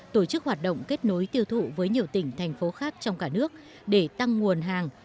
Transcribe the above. tổ chức hoạt động kết nối tiêu thụ với nhiều tỉnh thành phố khác trong cả nước để tăng nguồn hàng